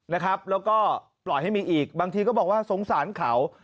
แล้วก็ปล่อยให้มีอีกบางทีก็บอกว่าสงสารเขา